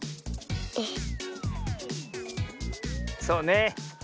そうね。